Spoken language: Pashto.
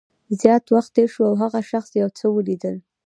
زیات وخت تېر شو او هغه شخص یو څه ولیدل